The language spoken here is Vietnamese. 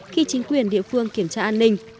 khi chính quyền địa phương kiểm tra an ninh